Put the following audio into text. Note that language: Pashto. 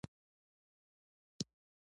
د موټر سرعت محدود وي.